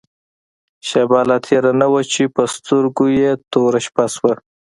شېبه لا تېره نه وه چې په سترګو يې توره شپه شوه.